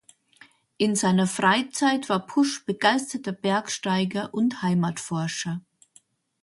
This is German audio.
In seiner Freizeit war Pusch begeisterter Bergsteiger und Heimatforscher.